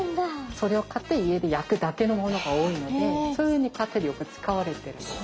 それを買って家でやくだけのものが多いのでそういうふうにかていでよくつかわれてるんです。